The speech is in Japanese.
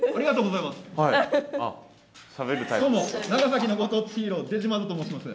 どうも長崎のご当地ヒーローデジマードと申します。